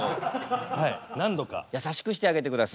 優しくしてあげてください。